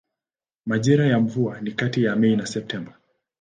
Majira ya mvua ni kati ya Mei na Septemba.